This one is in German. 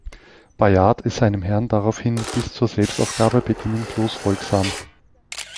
Bayard ist seinem Herrn daraufhin bis zur Selbstaufgabe bedingungslos folgsam.